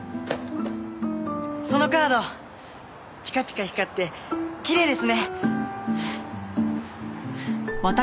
そのカードピカピカ光ってきれいですね。